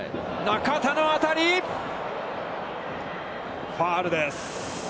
中田の当たり、ファウルです。